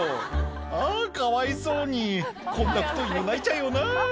「あぁかわいそうにこんな太いの泣いちゃうよな」